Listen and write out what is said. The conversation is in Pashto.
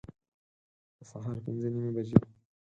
د سهار پنځه نیمي بجي